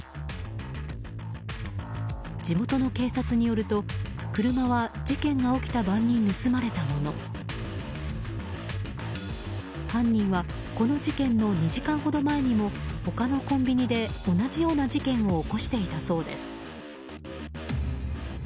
地元の警察によると、車は事件が起きた晩に盗まれたもの犯人はこの事件の２時間ほど前にも他のコンビニで同じような事件を起こしていたそうです。